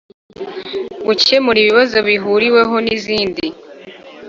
Gukemura ibibazo bihuriweho n izindi